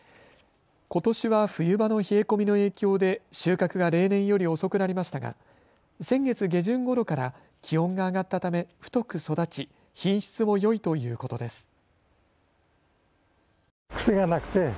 ことしは冬場の冷え込みの影響で収穫が例年より遅くなりましたが先月下旬ごろから気温が上がったため太く育ち品質もよいということです。